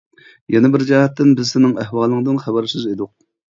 يەنە بىر جەھەتتىن، بىز سېنىڭ ئەھۋالىڭدىن خەۋەرسىز ئىدۇق.